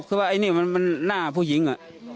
คือว่าไอ้นี่มันหน้าผู้หญิง